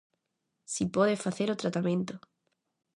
Si pode facer o tratamento.